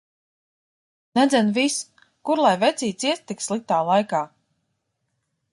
Nedzen vis! Kur lai vecītis iet tik sliktā laika.